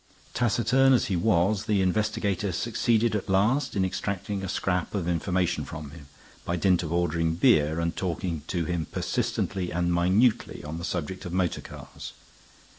Taciturn as he was, the investigator succeeded at last in extracting a scrap of information from him, by dint of ordering beer and talking to him persistently and minutely on the subject of motor cars.